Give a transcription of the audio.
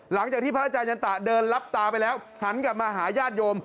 หลังจากที่พระอาจารยันตะเดินรับตาไปแล้วหันกลับมาหาญาติโยม